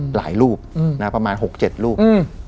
หลายรูปประมาณ๖๗รูป